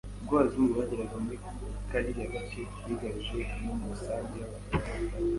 ubwo abazungu bageraga muri kariya gace bigabije amwe mu masambu y’Abarashi